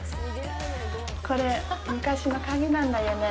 これ、昔の鍵なんだよね。